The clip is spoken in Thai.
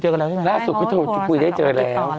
พ่อหายเป็นอะไรครับครับนี่นะครับแล้วสุดโทรคุยเจอกันแล้วใช่ไหมครับ